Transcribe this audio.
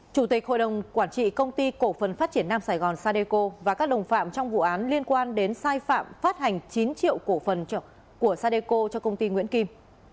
chủ tịch hội đồng quản trị công ty cổ phần phát triển nam sài gòn sadeco và các đồng phạm trong vụ án liên quan đến sai phạm phát hành chín triệu cổ phần của sadeco cho công ty nguyễn kim